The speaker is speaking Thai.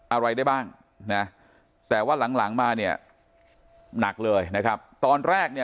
อะไรได้บ้างนะแต่ว่าหลังหลังมาเนี่ยหนักเลยนะครับตอนแรกเนี่ย